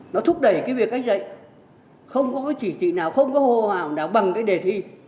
nó thúc đẩy việc cách dạy không có chỉ trị nào không có hồ hòa nào bằng đề thi